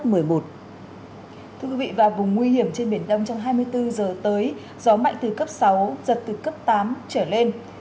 thưa quý vị và vùng nguy hiểm trên biển đông trong hai mươi bốn giờ tới gió mạnh từ cấp sáu giật từ cấp tám trở lên